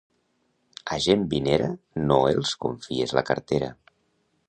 A gent vinera no els confies la cartera.